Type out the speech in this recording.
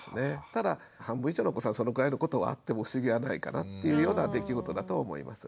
ただ半分以上のお子さんそのくらいのことはあっても不思議はないかなっていうような出来事だと思います。